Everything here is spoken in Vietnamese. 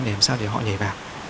để làm sao để họ nhảy vào